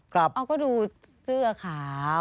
ก็ดูเสื้อขาว